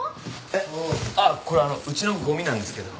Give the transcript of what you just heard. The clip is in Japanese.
えっあっこれあのうちのごみなんですけど。